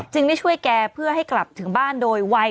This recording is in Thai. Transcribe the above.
ได้ช่วยแกเพื่อให้กลับถึงบ้านโดยวัย